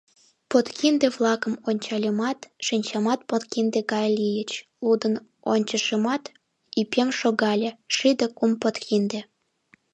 Подкинде-влакым ончальымат, шинчамат подкинде гай лийыч: лудын ончышымат, ӱпем шогале: шӱдӧ кум подкинде.